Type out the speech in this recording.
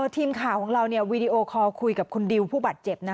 ทีมข่าวของเราคุยกับคุณดิวผู้บัตรเจ็บ